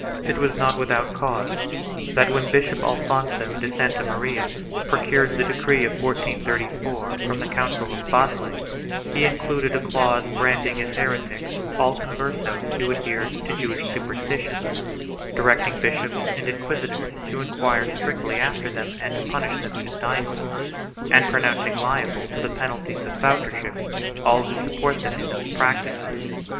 1 It was not without cause that, when Bishop Alfonso de Santa Maria procured the decree of 1434 from the council of Basle, he included a clause branding as heretics all Converses who adhered to Jewish superstitions, directing bishops and inquisitors to enquire strictly after them and to punish them condignly, and pronouncing liable to the penalties of fautorship all who support them in those practices.